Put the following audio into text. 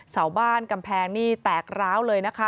เสาบ้านกำแพงนี่แตกร้าวเลยนะคะ